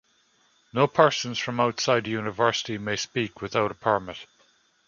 No persons from outside the university may speak without a permit.